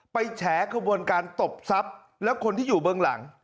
แฉขบวนการตบทรัพย์แล้วคนที่อยู่เบื้องหลัง